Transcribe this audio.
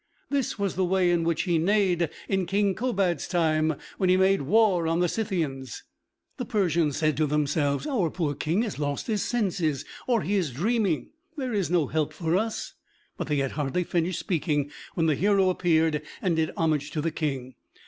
This was the way in which he neighed in King Kobad's time, when he made war on the Scythians." The Persians said to themselves, "Our poor King has lost his senses, or he is dreaming. There is no help for us." But they had hardly finished speaking when the hero appeared, and did homage to the King.